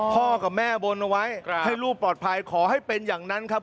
พ่อกับแม่บนเอาไว้ให้ลูกปลอดภัยขอให้เป็นอย่างนั้นครับ